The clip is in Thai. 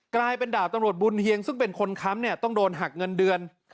กลายเป็นดาบตำรวจบุญเฮียงซึ่งเป็นคนค้ำเนี่ยต้องโดนหักเงินเดือน